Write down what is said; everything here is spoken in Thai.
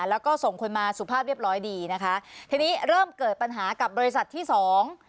แล้วก็ส่งคนมาสุภาพเรียบร้อยดีนะคะทีนี้เริ่มเกิดปัญหากับบริษัทที่สอง